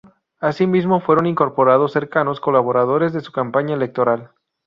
Asímismo fueron incorporados cercanos colaboradores de su campaña electoral.